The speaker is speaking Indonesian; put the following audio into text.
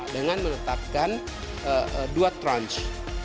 dengan menetapkan dua tranche